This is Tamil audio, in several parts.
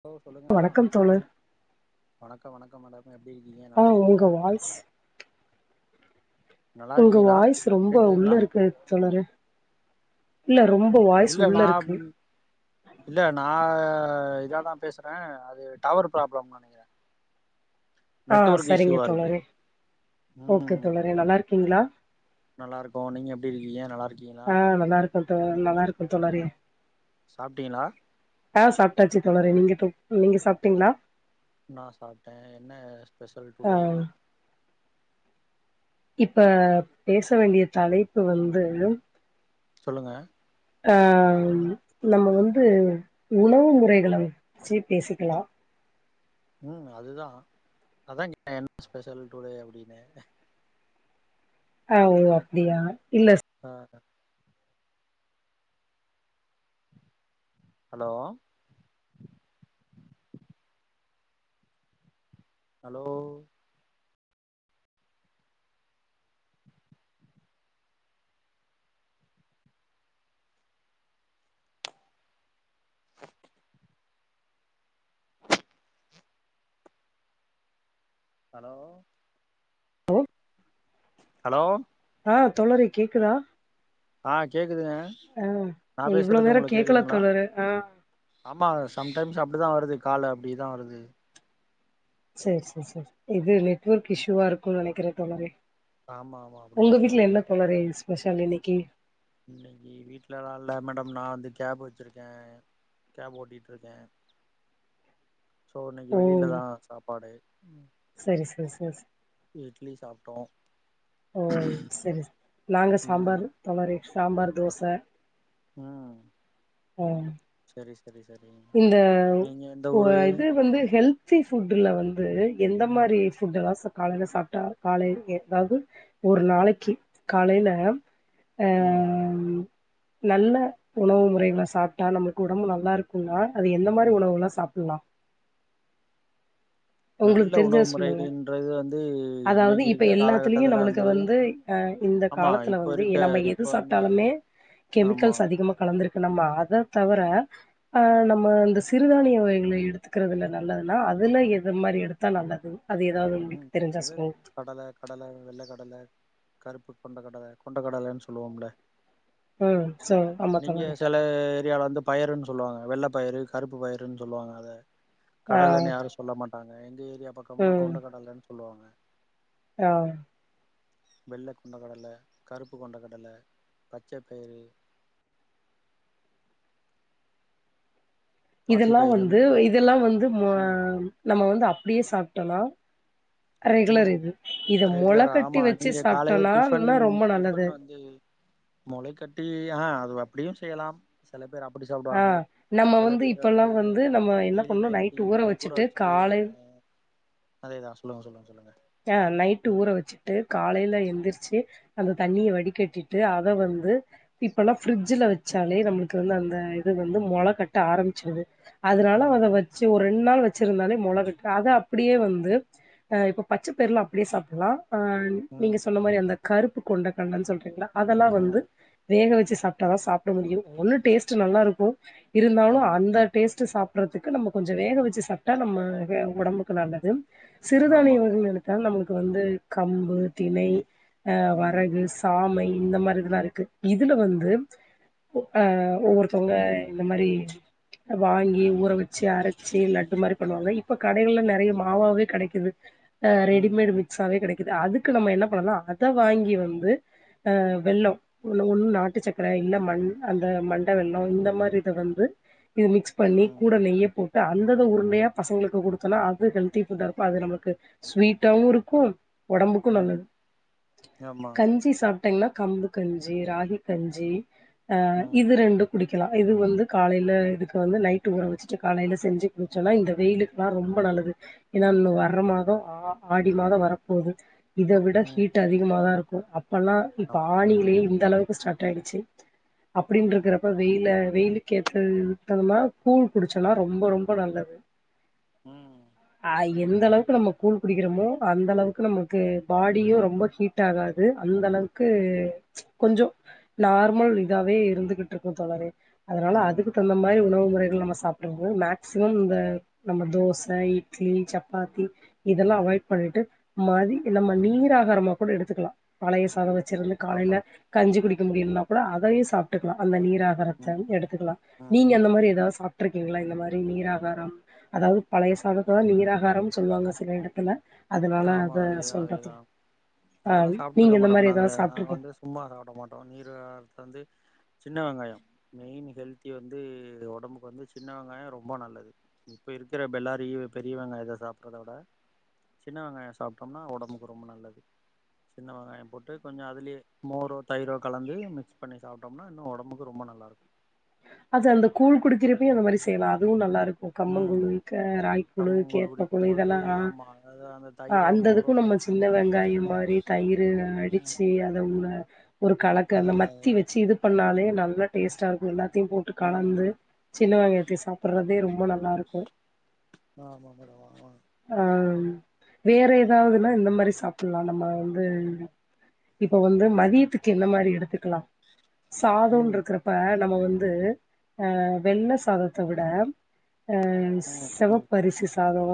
ஹலோ சொல்லுங்க்கா வணக்கம் தோழர் வணக் கா வணக்கம் மேடம் நீங்க எப்டி இருக்கீங்க ஆ நல்லா உங்க இருக்கீங்களா வாய்ஸ் நல்லா உங்க இருக்கீங்களா வாய்ஸ் ரொம்ப உள்ள கேக்குதுங்களா இருக்கு தோழரே இல்ல ரொம்ப வாய்ஸ் இல்ல உள்ள நா இருக்கு அப்டி இல்ல நா இதாதா பேசறே அ து டவர் ப்ராப்ளம்னு நெனைக்கிறே. ஆ நெட்வொர்க் சரிங்க இஷ்யூவா இருக்கு தோழரே ஓகே ம் தோழரே நல்லா இருக்கீங்களா நல்லா இருக்கோ நீங்க எப்டி இருக்கீங்க நல்லா இரு ஆ நல்லா இருக்க தோழா நல்லா இருக்கே தோழரே சாப்ட்டீங்களா ஆ சாப்ட்டாச்சு தோழரே நீங்க தொ நீங்க சாப்ட்டீங்களா நா சாப்ட்டே என்ன ஸ்பெஷல் ஆ டுடே இப்ப பேச வேண்டிய தலைப்பு வந்து சொல்லுங்க அம் நம்ம வந்து உணவு முறைகள வச்சு பேசிக்கலா ம் அதுதா அதா கேட்டே என்ன ஸ்பெஷல் டுடே அப்டின்னு ஆ ஓ அப்டியா இல்ல ஆ ஹலோ ஹலோ ஹலோ ஹலோ ஆ தோழரே கேக்குதா? ஆ கேக்குதுங்க ஆ நா இவ்ளோ பேசுறது நேரோ உங்களுக்கு கேக்கல கேக்குதுங்களா தோழரே ஆ ஆமா சம்டைம்ஸ் அப்டிதா வருது காலு அப்டிதா வருது சேரி சேரி சேரி சே இது நெ ட்வொர்க் இஷ்யூவா இருக்குன்னு நெனைக்கிறே தோழரே ஆமா ஆமா அப்டிதா உங்க இருக்கு வீட்ல என்ன தோழரே இது ஸ்பெஷ லு இன்னக்கி இன்னக்கி வீட்லல்லா இல்ல மேடம் நா வந்து கேப் வச்சிருக்கே கேப் ஓட்டிட்டு இருக்கே சோ இன்னக்கி வெளிலதா சாப்பாடு ம் செரி செரி செ செ ப்ட்டோ ஓம் செரிசெரி நாங்க ம் சாம்பார் தளரி சாம்பார் தோச உ ஆ செரி சே இந்த உவ ஊரு இது வந்து ஹெல்தி ஃபுட்ல வந் து எந்த மாரி ஃபுட் எல்லா காலைல சாப்ட்டா கால எதாவது ஒரு நாளைக்கு காலையில உ நல்ல உணவு முறைகள சாப்பிட்டா நமக்கு உடம்பு நல்லா இருக்கு குன்னா அது என்ன மாரி உணவுகலா சாப்பிட்லா நல்ல உங்களுக்கு தெரிஞ்சத உணவு சொல்லுங்க முறைன்றது வந்து அதாவது இன்னைக்கு இப்ப இருக்க எல்லாத்துலயு காலகட்டத்துல நம்மளுக்கு வந்து ஆ இந்த ஆமா காலத்துல இப்ப வந்து இருக்க நம்ம இப்ப எது வந்து சாப்பிட்டாலுமே ஆமா கெமிக்கல்ஸ் அதிகமா கலந்திருக்கு துன்னம்மா அத தவர ம் ஆ நம்ம இந்த சிறுதானிய வகைகள எடுத்துக்கறதுல நல்லதுன்னா அதுல எத் து மாரி எடுத்தா நல்லது உ தெரிஞ்சா அது சொல்லுங்க கடல கடல வெள்ள கடல கருப்பு கொண்ட கடல கொண்ட கடலன்னு சொல்லுவோம்ல உ சோ ஆமாத்தோழரே ரியா வந்து பயிருன்னு சொல்லுவாங்க வெள்ள பயிறு கருப்பு பயிறுன்னு சொல்லுவாங்க அத ஆ கடலன்னு யாரு சொல்ல மாட்டாங்க ஆந்து இய்யா பக்கமல்லா ம் கொண்ட கடலழனு ஆ வெள்ள கொண்ட கடல கருப்பு கொண்ட கடல பச்சப்பயிறு பாசி இதெல்லா வந்து பயிருன்னு இதெல்லா வந்து ம் ம வந்து அப்படியே சாப்ப டோனா உ ரெகுலரா கட்டி ஆமா வச்சு நீங்க காலையில சாப்ட்டோனா டிஃபன் இன்னு ரொம்ப நல்லது டிஃபன் வந்து முளை கட்டி அ அது அப்படியு செய்யலா சில பேர் அப் ப்டி ஆ சாப்பிடுவாங்க நம்ம சில பேர் இப்பல்லா வந்து நம்ம என்ன டெய்லி பண்ணோ நைட்டு ர ஊற வச்சுட்டு காலை அதேதா சொல்லுங்க சொல்லுங்க சொல்லுங்க ஆ நைட்டு ம் ஊற வச்சுட்டு காலையில எந்திரிச்சு அந்த தண்ணிய வடி கட்டிட்டு அத வந்து இப்பல்லா ஃப்ரிட்ஜ்ல வச்சாலே நம்மளுக்கு வந்து அந்த இது வந்து மொள கட்ட ஆரம்பிச்சிருது அதனால வத ம் வச்சி ஒரு ரெண்டு நாள் வ ச்சிருந்தாலே மொளகட்டு அத அப்பிடியே வந்து அ இப்ப பச்ச பயிர்லா அப்பிடியே சாப்பிலா ஆ நீங்க ம் சொன்ன மாரி அந்த கருப்பு கொண்டகடலன்னு சொல்லிகிறீங்களா அதெல்லா வந்து ம் வேக வச்சிஸ் சாப்ட்டாதா சாப்பிட முடியு ஒன்னுட் டேஸ்ட் நல்லா இருக்கு இருந்தாலு ம் அந்த டேஸ்ட் சாப் ற்றதுக்கு நம்ம கொஞ்ச வேக வச்சி சாப்பிட்டா நம்ம ஒடம்புக்கு நல்லது சிறுதானிய ஆமா வக ட்டாலு நமக்கு வந்து கம்பு திணை ஆ ம் வரகு சாமை இந்த மாரி இதெல்லா இருக்கு இதுல வந்து ஆ ஒவ்வொருத்தவங்க இந்த மாரி வாங்கி ஊற வச்சி அரைச்சி லட்டு மாரி பண்ணுவாங்க இப்ப கடைகள்ல நெறைய மாவாவே கெடைக்குது ஆ ம் ரெமேட் ம் மிக்ஸாவே கெடைக்குது அதுக் க்கு நம்ம என்ன பண்ணலா அத வாங்கி வந்து அ வெள்ளோ ஒன்னு ஒன்னு நாட்டு சக்கர இல்ல மண் அந்த மண்ட வெள்ளம் இந்த மாரி இத வந்து இது மிக்ஸ் பண்ணி கூட ம் நெய்ய போட்டு அந்த உருண்டையா பசங்களுக்கு குடுத்தன்னா அது ஹெல்தி ஃபுட்டா இருக்கு அது நமலுக்கு ஸ்வீட்டாவு இருக்கு ஒடம்புக்கு ம் ம் நல்லது ஆமா கஞ்சி சாப் டைம்ல கம்பு கஞ்சி ராகி கஞ்சி ஆ ம் இது ரெண்டு குடி க்கலா இது வந்து காலையில இதுக்கு வந்து நைட்டு் ஊற வச்சிட்டு காலையில செஞ்சி குடிச்சோன்னா இந்த வெயிலுக்குல்லா ரொம்ப நல்லது ஏன்னா இன்னு வர்ர மாதோ ஆ ஆடி மாதோ வரப்போது இத விட ம் ஹீட் அதிகமதா இருக் ம் அப் ப்பலா இப்ப ஆம் ஆணிலயே இந்த அளவுக்கு ஸ்டார்ட் ஆயிடிச்சி ம் அப்பிடின்ட்ருக்கறப்ப வெயில வெயிலுக்கு ஏத்த விட்டதுனா கூழ் குடிச்சன்னா ரொம்ப ரொம்ப நல்லது ம் ஆய் எந்த அளவுக்கு நம்ம கூழ் குடிக்கிறோமோ அந்த அளவுக்கு நமக்கு பாடியு ரொம்ப ஹீட் ஆகாது அந்த அளவுக்கு கொஞ்சோ நார்மல் இதாவே இருந்துகிட்டு இருக்கும் தொழரே அதனால ம் அதுக்கு தந்த மாரி உணவு [unintelligible] நம்ம சாப்பிட்ரது மேக்சிமம் இந்த நம்ம தோச இட்லி சப்பாத்தி இதெல்லா அவாய்ட் பண்ணிட்டு மதி நம்ம நீராகாரமா கூட எடுத்துக்கலா பழைய சாதோ வச் ச்சுருந்து ஆமா காலையில கஞ்சு குடிக் முடியலனா கூட அதையே சாப்பிட்டுக்கலா அந்த நீர் நீராகாரத்துல ம் இந்து எடுத்துக்கலா ம் நீங்க அந்த மாரி ஏதாவது சாப் இருக்கீங்களா இந்த மாரி நீராகாரம் அதாவது பழைய சாதத்து தா நீராகாரம்னு சொல்லுவாங்க சில இடத்துல அதனால ஆமா அத அதேதா சொல்றது. அதேதா ஆ அதெல்லா நீங்க சாப்பிட்ருக்க இந்த மாட்டோம் மாரி இப்ப நாங்க ஏதாவது நாங்க சாப்ட்ருக்கீங் வந்து சும்மா சாப்பிட மாட்டோ நீரா [unintelligible] வந்து சின்ன வெங்காயோ மெயின் ஹெல்தி வந்து உடம்புக்கு வந்து சின்ன வெங்காயம் ரொம்ப நல்லது இப்ப இருக்கிற பெல்லாரி பெரிய வெங்காயத்த சாப்படுறத விட சின்ன வெங்காயோ சாப்பிட்டோம்னா உடம்புக்கு ரொம்ப நல்லது சின்ன வெங்காயோ போட்டு கொஞ்ச அதுலேயே மோரோ தயிரோ கலந்து மிக்ஸ் பண்ணி சாப்பிட்டோம்னா இன்னு உடம்புக்கு ரொம்ப நல்லா இருக்கு அது அந்த கூழ் குடுக்கிறப்பையு அந்த மாரி செய்யலா அதுவு நல்லா இருக்கு கம்ம ம் குழு க ராகிகூழு கம்மங்கூழ் கேப்ப குழு குடிக்கும் போது இதெல்லா ஆமா அதாவது அந்த ஆ தயிரோ மோரோ அந்ததுக்கு நம்ம சின்ன போட்டுக்கிட்டோம்னா வெங்காய கொஞ்சோ மாரி தயிர ம் அடிச்சு அத உள்ள ஒரு கலக்கு அதே அந்த மத்தி அதேதா வச்சு இது பண்ணாலே நல்லா டேஸ்டா இருக்கு எல்லா தய்போட்டு ம் கலந்து சின்ன வெங்காயத்தையு சாப்பிடுறதே ரொம்ப ம்ப நல்லாருக்கு ஆ [unintelligible] ஆ வேற ஏதாவதுன்னா இந்த மாரி சாப்பிட்லா நம்ம வந்து இப்ப வந்து மதியத்துக்கு எந்த மாரி எடுத்துக்கலா சாதம்ன்உ ம் இருக்குறப்ப நம்ம வந் து ஆ வெள்ள சாதத்த விட அ ம் செவப் ம் பரிசி ச சாதோ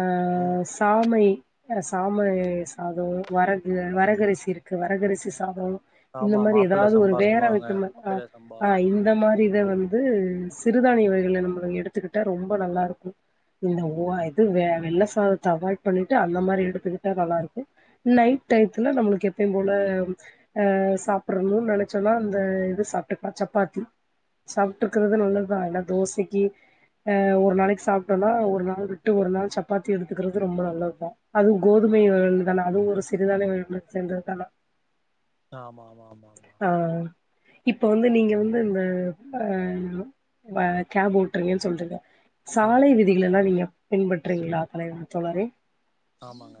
ஆ ம் சாமை சாமை சாதோ வரகு வரகரிசி இருக்கு வரகரிசி சாதோ இந்த ஆமா மாரி மாப்பிள்ள ஏதாவது ஒரு சம்பா வேற சொல்லுவாங்க வித்த மாரி ஆ மாப்பிள்ள சம்பா ஆ இந் பரி இத வந்து ம் சிறுதானியவகைகள நம்மள எடுத் த்துக்கிட்டா ரொம்ப நல்லா இருக்கு இந்த ஓ ம் இது வே வெள்ள சாதத்த அவாய்ட் பண்ணிட்டு அந்த மாரி எடுத்துக்கிட்டா நல்லா இருக்கு இ நைட்டயத்துல நம்மளுக்கு எப்பயு போல அ சாப்பிடணும்னு நனச்சோனா அந்த இது சாப்ட்டுகலா சப்பாத்தி சாப்ட்டு இருக்கறது நல்லதுதா ஏன்னா தோசைக்கி ஆ ஒரு நாளைக்கி சாப்ட்டோன்னா ஒரு நாள் விட்டு ஒரு நாள் சப்பாத்தி எடுத்துக்கிறது ரொம்ப நல்லதுதா அதுவு கோதுமை வகைதான அதுவு ஒரு சிறுதானிய வகைய சேந்ததுதா ஆனா ஆமா ஆமா ஆமா ஆமா இப்ப வந்து நீங்க வந்து இந்த ஆ ஆ ஆ கேப் ஓட்றீங்கன்னு சொல்றீங்க ம் சாலை விதிகள எல்லா நீங்க பின்பற்றுவீங்களா தலைவா தோழரே ஆமாங்க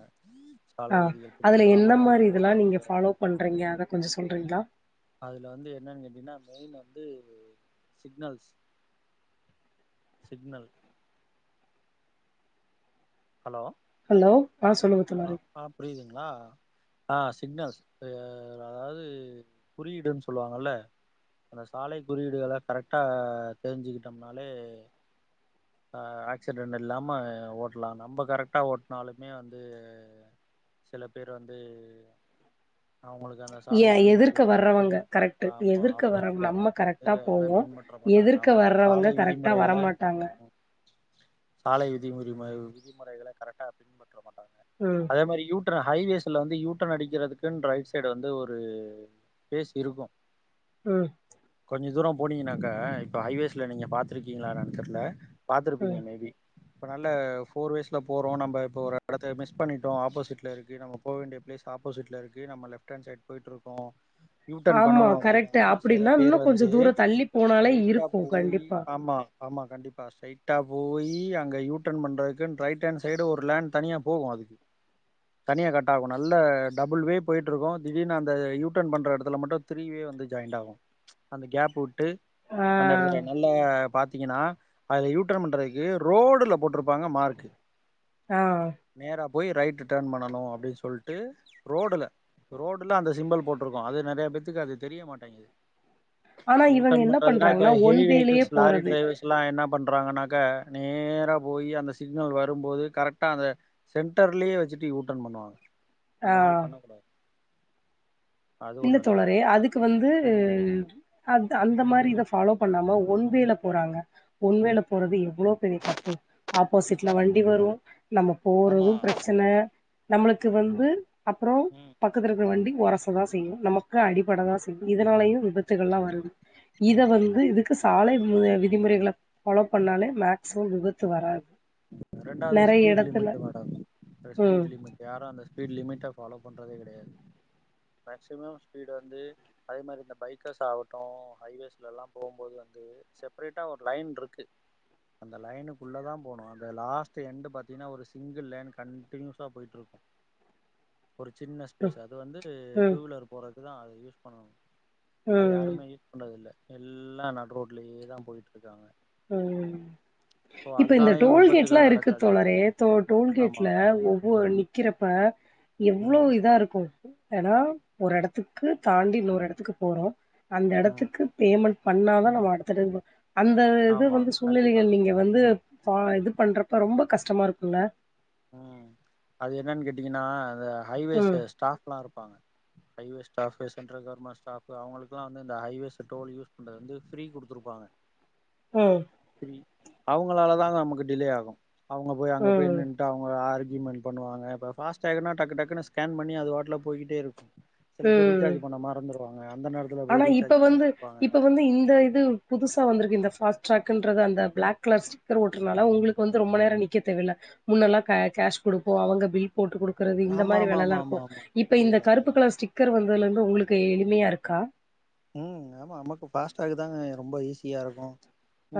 சாலை ஆ விதிகள் அதுல என்ன பின்பற்றாமல் வண்டி மாரி ஓட்ட இதெல்லா நீங்க முடியாது ஃபாலோ பண்றீங்க அத கொஞ்சோ சொல்றீங்களா அதுல வந்து என்னன்னு கேட்டீங்ன்னா மெயினா வந்து சிக்னல்ஸ் சிக்னல் ஹலோ ஹலோ ஆ சொல்லுங்க ஆ தோழரே ஆ் புரியுதுங்களா ஆ சிக்னல்ஸ் ஆ அதாவது குறியீடுன்னு சொல்லுவாங்கல்ல அந்த சாலை குறியீடுகள கரெக்டா தெரிஞ்சுக்கிட்டோம்னாலே ஆ ஆக்சிடென்ட் இல்லாம ஓட்லா நம்ம கரெக்டா ஓட்னாலுமே வந்து சில பேர் வந்து அவங்களுக்கு அந்த ஏ சாலை எதிர்க்க விதிமுறையல்லா அவங்க வர்றவங்க பின்பற்ற கரெக்ட்டு ஆமா எதிர்க்க வர்றவங்க ஆப்போசிகட் நம்ம வரவங்க வந்து கரெக்டா அத போவோ பின்பற்ற மாட்டாங்க எதிர்க்க ஆமா வர்றவங்க சாலை கரெக்டா விதிமுறைகள வரமாட்டாங்க அ சாலை விதி முறி ம விதிமுறைகள கரெக்டா பின்பற் ற மாட்டாங்க ம் அதே மாரி யூ ட்ர்னு ஹைவேஸ்ல வந்து யூ டர்னு அடிக்கிறதுக்குன் ரைட் சைடு வந்து ஒரு ஸ்பேஸ் இருக்கு ம் கொஞ்ச தூரோ போனீங்கன்னாக்கா இப்போ ஹைவேஸ்ல நீங்க பாத்துருக்கீங்களா என்னானு தெர்ல பாத்துருப்பீங்க ம் மேபி இப்ப நல்ல ஃபோர் வேஸ்ல போறோ நம்ப இப்ப ஒரு எடத்த மிஸ் பண்ணிட்டோ ஆப்போசிட்ல இருக்கு நம்ம போக வேண்டிய ஆப்போசிட்ல இருக்கு நம்ம லெஃப்ட் ஹேண்ட் சைடு போயிட்ருக்கோ யூ டர்ன் ஆமா பண்ணனு கரெக்ட்டு அப்பிடின்னா சில அப்டின்னா பேர் இன்னு கொஞ்ச வந்து தூர தள்ளி போனாலே ஸ்ட்ரைட்டா இருக்கு போயி கண்டிப்பா ஆமா ஆமா கண்டிப்பா ஸ்ட்ரெய்ட் டா போயி அங்க யூ டர்ன் பண்றதுக்குன்னு ரைட் ஹேண்ட் சைடு ஒரு லேன் தனியா போகு அதுக்கு. தனியா கட் ஆகு. நல்ல டபுள் வே போய்ட்ருக்கு திடீர்னு அந்த யூ டர்ன் பண்ற எடத்துல மட்டு த்ரீ வே வந்து ஜாய்ண்ட் ஆகு அந்த கேப்பு வி ட்டு ஆ அந்த எடத்துல நல்லா பாத் தீங்கன்னா அதுல யூ டர்ன் பண்றக்கு ரோடுல போட்டுருப்பாங்க மார்க்கு ஆ போயி ரைட்டு டேர்ன் பண்ணணு அப்டி சொல்ட்டு ரோடுல ரோடுல அந்த சிம்பல் போட்ருக்கு அது நெறைய பேத்துக்கு அது தெரிய மாட்டேங்குது. ஆனா யூ இவங்க டர்ன் என்ன பண்றதுனா இப்ப பண்றாங்கன்னா ஒன் ஹெவி வேலயே வெஹிக்கில்ஸ் லாரி போறது டிரைவர்ஸல்லா என்ன பண்றாங்கன்னா க்கா நேரா போயி அந்த சிக்னல் வரும்போது கரெக்டா அந்த சென்டர்லயே வச்சுட்டு யூ டர்ன் பண்ணுவாங்க அந்த மாரி ஆ பண்ணக் கூடாது இல்ல தோழரே அதுக்கு வந்து ம் அதா அது அந்த மாரி இத ஃபாலோ பண்ணாம ஒன் வேல போறாங்க ஒன் வேல போறது எவ்ளோ பெரிய தப்பு ஆப்போசிட்ல வண்டி வரு நம்ம போறது ஆமா பிரச்சன நம்மளுக்கு வந்து அப்புறோ ம் பக்கத்தில இருக்கற வண்டி ஒரசதாஸ் தெய்யு நமக்கு அடிப்படதா செய்யு இதனாலயு விபத் த்துகலா வருது இத ம் வந்து இதுக்கு சாலை ம்மு விதிமுறைகள ஃபாலோ பண்ணாலே மேக்சிமம் விபத்து வராது ரெண்டாவது நெறைய ஸ்பீடு எடத்துல லமிட் மேடம் ம் ஸ்பீ்டு லிமிட் யாரு அந்த ஸ்பீடு லிமிட்டா ஃபாலோ பண்டறதே கெடையாது மேக்சிமம் ஸ்பீடு வந்து அதே மாரி இந்த பைக்கர்ஸ் ஆவுட்டு ஹைவேஸ்லலா போகுபோது வந்து செப்பரேட்டா ஒரு லைன் இருக்கு அந்த லைனுக்குள்ளதா போணு அந் லாஸ்ட் எண்ட் பாத்தீங்கன்னா ஒரு சிங்கிள் லேன் கண்டடினியூஸா போயிட்டு இருக்கு ஒரு சின்ன ஸ்பேஸ் ம் அது வந்து ம் டூவீலர் போற இதுதா அது யூஸ் பண்ணனு அது ம் யாருமே யூஸ் பண்டறது இல்ல எல்லா நடுரோட்லியேதா போயிட்டு இருக்காங்க ம் சோ இப்ப இந்த அதனாலயு டோல்கேட்ல்லா விபத்துகள் இருக்கு நடக்கு அதிகமா தோழரே தோ ஆமா டோல்கேட்ல ஒவ்வொ நிக்கிறப்ப எவ்ளோ ம் இதா இருக்கு ஏன்னா ஒரு எடத்துக்கு தாண்டி இன்னொரு எடத்துக்கு போறோ அந்த ம் எடத்துக்கு பேமெண்ட் பண்ணாதா நம்ம அடுத்தட்ப அந்த இது ஆமா வந்து சூழ்நிலைங்க கண்டிப்பா நீங்க வந்து சா இது பண்றப்ப ரொம்ப கஷ்டமா இருக்குல்ல அ அது என்னான் கேட்டீங்கன்னா ந்த ஹைவேஸ் ம் ஸ்டாப்ல்லா இருப்பாங்க highways staff central government staff அவுங்களுக்கெல்லா வந்து இந்த ஹவேஸ் டோல் யூஸ் பண்றது வந்து ஃபிரீ குடுருப்பாங்க ம் அவுங்களாலதா நமக்கு டிலே ஆகு அவுங்க போய் அங்க போய் ம் நின் அவுங்க ஆர்கியுமெண் பண்ணுவாங்க இப்ப ஃபாஸ்ட்டிராக் டக்கு டக்குனு ஸ்கேன் பண்ணி அது ரோட்ல போயிகிட்டே இருக்கு சில பேர் ம் ரீசார்ஜ் பண்ண மறந்துருவாங் ஆனா இப்ப வந்து இப்ப வந்து இந்த இது புதுசா வந்திருக்கு இந்த ஃபாஸ் டிராக்ன்றது அந்த பிளாக் கலர் ஸ்டிக்கர் ஓட்டுருனால உங்களுக்கு வந்து ரொம்ப நேரோ நிக்க தேவையில்ல முன்னெல்லா க கேஷ் குடுப்போ அவுங்க பில் போட்டு குடுக்கறது இந்த ஆமா மாரி ஆமா ஆமா வேலல்லா இருக்கு ஆமா ஆமா இப்ப இந்த அதேதா கருப்பு அதேதா கலர் ஸ்டிக்கர் வந்து ந்ததுலந்து உங்களுக்கு எளிமையா இருக்கா உ ஆமா நமக்கு ஃபாஸ்ட்டாக தாங்க ரொம்ப ஈஸியா இருக்கு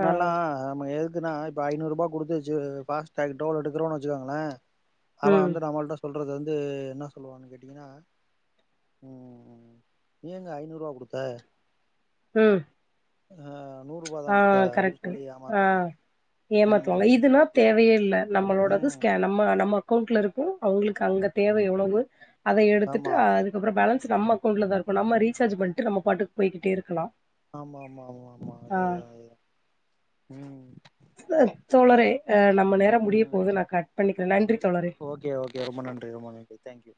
ஆ நம்ம எது த்னா இப்ப ஐநூறுபா குடுத்துச்சு ஃபாஸ்டேக் டோல் எடுக்கறோனு வச்சுக்கங்கள அவ ம் வந்து நமள்ட்ட சொல் சொலது வந்து என்ன சொல்லுவான்னு கேட்டீங்கன்னா நீங்க ஐநூறு ரூபா குடுத் க உ ரூபா ஆ தான் குடுத்த அப்டின்னு கரெக்ட் சொல்லி ஆ ஏமாத்துவாங்க ம் ஏமாத்துவாங்க இதுன்னா தேவைய இல்ல நம்மளோட ம் ஸ்கேன் நம்ம நம்ம அக்கவுண்ட்ல இருக்கு அவங்களுக்கு அங்க தேவ எவ்வளவு அத எடுத்துட்டு ஆமா அதுக்கப்புறோ பேலன்ஸ் நம்ம அவுண்ட்ல தா இருக்கு நம்ம ரீசார்ஜ் பன்ட்டு நம் பாட்டுக்கு போயிக்ட்டே இருக் கலா ஆமா ஆமா ஆமா ஆமா அதேதா அதேதா உ ச தோழரே அ நம்ம நேரம் முடிய ம் போது நா கட் பண்ணிக்கிறே நன்றி தோழரே ஓகே ஓகே ரொம்ப நன்றி ரொம்ப நன்றி தேங்க்யூ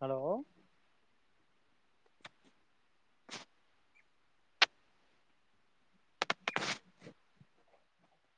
ஹலோ